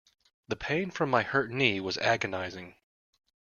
The pain from my hurt knee was agonizing.